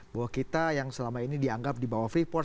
bahwa kita yang selama ini dianggap di bawah freeport